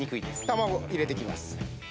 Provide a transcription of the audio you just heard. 卵入れていきます